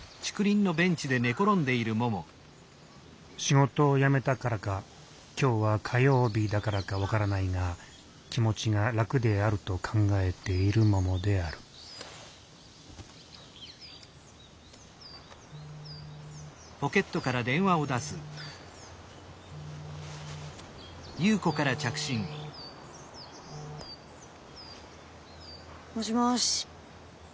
仕事を辞めたからか今日は火曜日だからか分からないが気持ちが楽であると考えているももであるもしもし。